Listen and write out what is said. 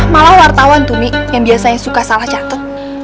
malah wartawan tuh mi yang biasanya suka salah nyatet